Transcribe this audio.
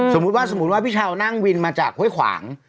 สมมติว่าพี่เช้านั่งวินมาจากห้วยขวาง